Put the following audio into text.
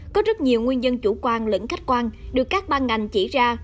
có rất nhiều nguyên nhân chủ quan lẫn khách quan được các ban ngành chỉ ra